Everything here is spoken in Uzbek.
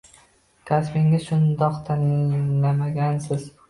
Kasbingizni shundoq tanlamagansiz –